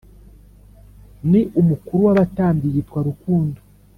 Ni umukuru w’abatambyi yitwa rukundo